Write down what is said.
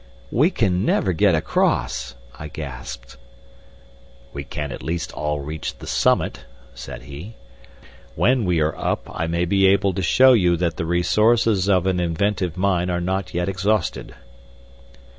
"We can never get across," I gasped. "We can at least all reach the summit," said he. "When we are up I may be able to show you that the resources of an inventive mind are not yet exhausted."